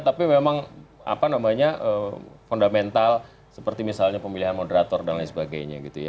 tapi memang apa namanya fundamental seperti misalnya pemilihan moderator dan lain sebagainya gitu ya